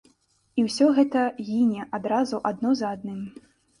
І ўсё гэта гіне адразу адно за адным.